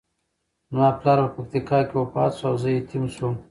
زما پلار په پکتیکا کې وفات شو او زه یتیم شوم.